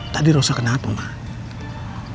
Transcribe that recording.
tadi rosa kenapa mak